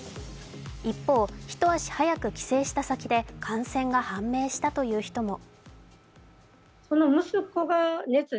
一方、一足早く帰省した先で、感染が判明したという人も。